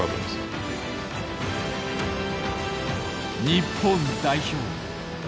日本代表